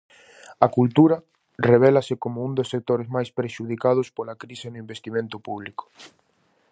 A cultura revélase como un dos sectores máis prexudicados pola crise no investimento público.